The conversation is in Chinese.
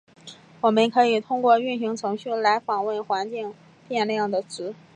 我们可以通过运行程序来访问环境变量的值。